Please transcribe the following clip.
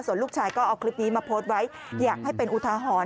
ส่วนลูกชายก็เอาคลิปนี้มาโพสต์ไว้อยากให้เป็นอุทาหรณ์